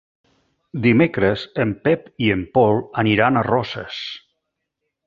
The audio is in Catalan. Dimecres en Pep i en Pol aniran a Roses.